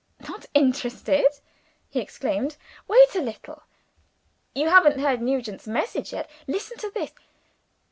"Not interested!" he exclaimed. "Wait a little. You haven't heard Nugent's message yet. Listen to this!